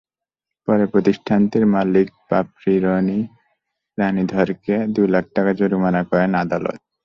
পরে প্রতিষ্ঠানটির মালিক পাপড়ি রানি ধরকে দুই লাখ টাকা জরিমানা করেন আদালত।